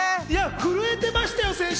震えてましたよ。